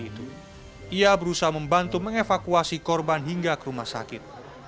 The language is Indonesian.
itu ia berusaha membantu mengevakuasi korban hingga ke rumah sakit